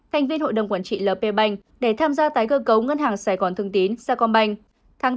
thành viên hội đồng quản trị l p banh để tham gia tái cơ cấu ngân hàng sài gòn thương tín saigon bank